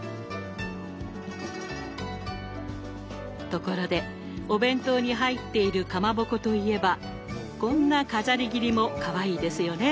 ところでお弁当に入っているかまぼこといえばこんな飾り切りもかわいいですよね。